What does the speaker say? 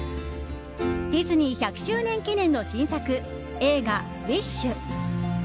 ディズニー１００周年記念の新作、映画「ウィッシュ」。